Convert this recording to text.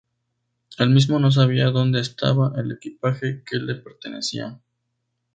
Él mismo no sabía dónde estaba el equipaje que le pertenecía.